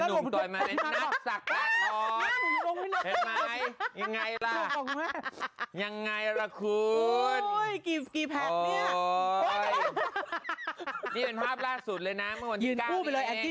อุ้ยคุกกี้ผักโสดอรดอ่ะ